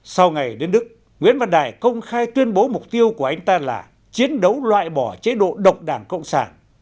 sau ngày đến đức nguyễn văn đài công khai tuyên bố mục tiêu của anh ta là chiến đấu loại bỏ chế độ độc đảng cộng sản